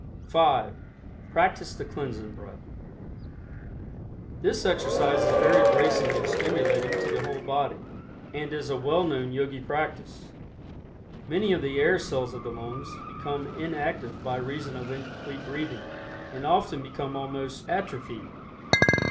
(5) Practice the Cleansing Breath. This exercise is very bracing and stimulating to the whole body, and is a well known Yogi practice. Many of the air cells of the lungs become inactive by reason of incomplete breathing, and often become almost atrophied.